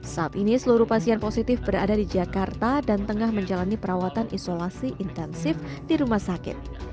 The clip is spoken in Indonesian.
saat ini seluruh pasien positif berada di jakarta dan tengah menjalani perawatan isolasi intensif di rumah sakit